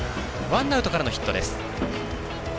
ワンアウトからのヒットです。